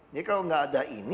jadi kalau tidak ada ini